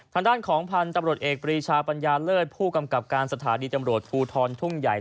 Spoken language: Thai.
ทางด้านของพันธุ์ตำรวจเอกปรีชาปัญญาเลิศผู้กำกับการสถานีตำรวจภูทรทุ่งใหญ่